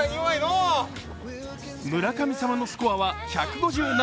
村神様のスコアは１５７。